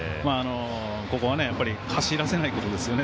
ここは、やっぱり走らせないことですよね